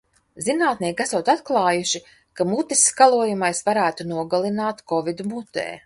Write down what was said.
Zinātnieki esot atklājuši, ka mutes skalojamais varētu nogalināt Kovidu mutē.